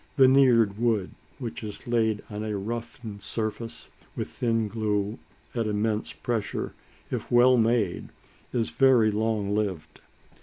Veneered wood, which is laid on a roughened surface with thin glue at immense pressure, if well made, is very long lived.